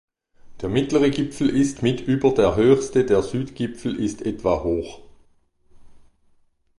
Der mittlere Gipfel ist mit über der höchste, der Südgipfel ist etwa hoch.